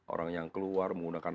orang yang keluar menggunakan